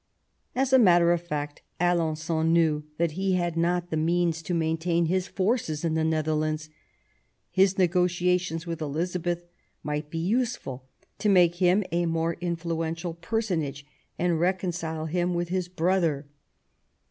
As a matter of fact, Alen9on knew that he had not the means to maintain his forces in the Netherlands. His negotiations with Elizabeth might be useful to make him a more influential personage and reconcile him with his brother.